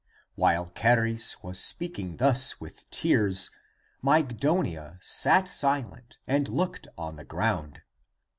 While Charis was sepaking thus with tears, Mygdonia sat silent and looked on the ground.